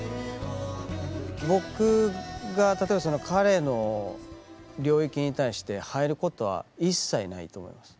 僕が例えばその彼の領域に対して入ることは一切ないと思います。